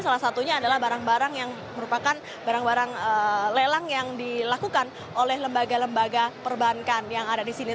salah satunya adalah barang barang yang merupakan barang barang lelang yang dilakukan oleh lembaga lembaga perbankan yang ada di sini